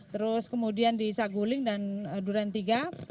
terus kemudian di saguling dan durantiga